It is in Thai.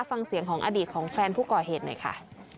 ฟังเสียงของอดีตของแฟนผู้ก่อเหตุหน่อยค่ะ